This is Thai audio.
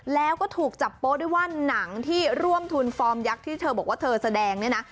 แล้วก็ถูกจับโป๊ะด้วยว่าหนังที่ร่วมทุนฟอร์มยักษ์ที่เธอบอกว่าเธอแสดงเนี่ยนะ